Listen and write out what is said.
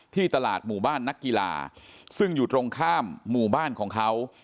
ที่ตลาดหมู่บ้านนักกีฬาซึ่งอยู่ตรงข้ามหมู่บ้านของเขา